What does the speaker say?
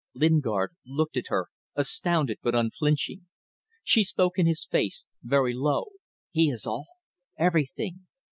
Lingard looked at her, astounded but unflinching. She spoke in his face, very low. "He is all! Everything.